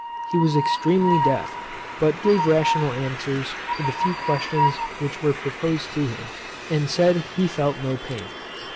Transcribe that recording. He was extremely deaf; but gave rational answers to the few questions which were proposed to him; and said he felt no pain.